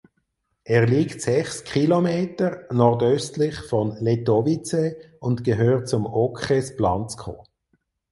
Er liegt sechs Kilometer nordöstlich von Letovice und gehört zum Okres Blansko.